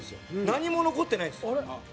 何も残ってないんです。